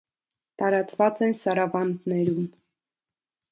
Տարածված են սարավանդներում։